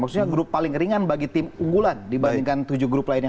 maksudnya grup paling ringan bagi tim unggulan dibandingkan tujuh grup lainnya